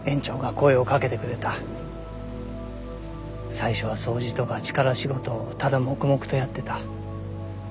最初は掃除とか力仕事をただ黙々とやってた。